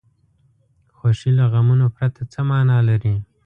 خوښي له غمونو پرته څه معنا لري.